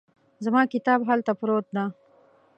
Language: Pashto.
زما کتاب هلته پروت ده